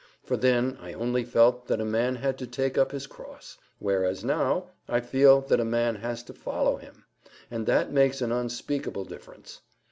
—For then I only felt that a man had to take up his cross; whereas now I feel that a man has to follow Him; and that makes an unspeakable difference.